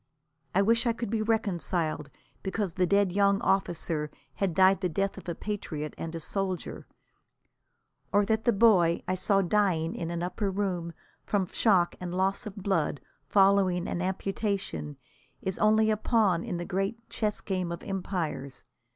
I wish I could be reconciled because the dead young officer had died the death of a patriot and a soldier, or that the boy I saw dying in an upper room, from shock and loss of blood following an amputation, is only a pawn in the great chess game of empires.